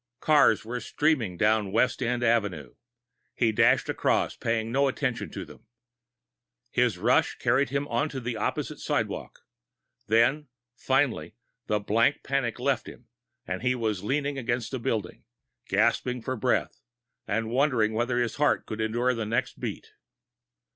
Cars were streaming down West End Avenue. He dashed across, paying no attention to them. His rush carried him onto the opposite sidewalk. Then, finally, the blind panic left him, and he was leaning against a building, gasping for breath, and wondering whether his heart could endure the next beat.